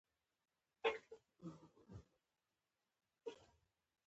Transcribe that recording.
چار مغز د افغان کورنیو د دودونو یو مهم عنصر دی.